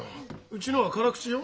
うちのは辛口よ。